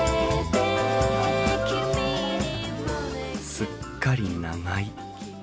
すっかり長居。